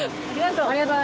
ありがとう。